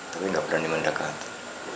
tapi gak berani mendekati